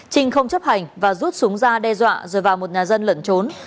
trinh không chấp hành và rút súng ra đe dọa rồi vào một nhà dân lẩn trốn